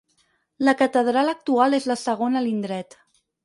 La catedral actual és la segona a l'indret.